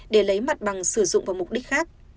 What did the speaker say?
để lấy mặt bằng sử dụng vào mục đích khác